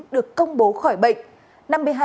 được công bố khỏi bệnh